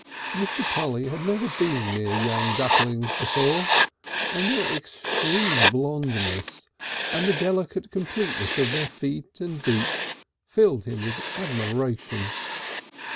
Mr. Polly had never been near young ducklings before, and their extreme blondness and the delicate completeness of their feet and beaks filled him with admiration.